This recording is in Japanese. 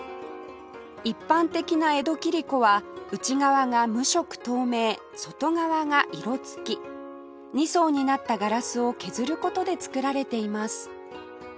一般的な江戸切子は内側が無色透明外側が色つき２層になったガラスを削る事で作られています